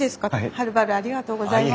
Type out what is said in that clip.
はるばるありがとうございます。